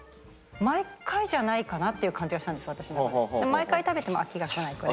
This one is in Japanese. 毎回食べても飽きがこないこれ。